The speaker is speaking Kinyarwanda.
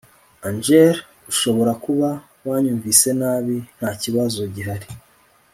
Angel ushobora kuba wanyumvise nabi Ntakibazo gihari